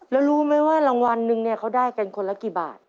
แล้วรู้ไหมว่ารางวัลนึงเนี่ยเขาได้กันคนละกี่บาท